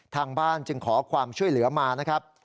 ทางบ้านจึงขอความช่วยเหลือมานะครับ